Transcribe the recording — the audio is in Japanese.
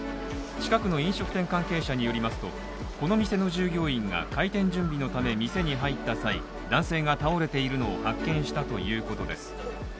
近くの飲食店関係者によりますとこの店の従業員が開店準備のため店に入った際、男性が倒れているのを発見したということです。